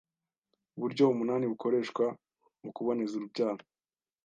buryo umunani bukoreshwa mu kuboneza urubyaro